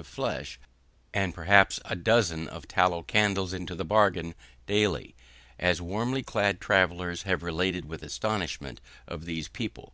of flesh, and perhaps a dozen of tallow candles into the bargain, daily, as warmly clad travellers have related with astonishment of these people.